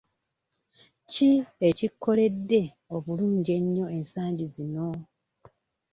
Ki ekikkoledde obulungi ennyo ensangi zino?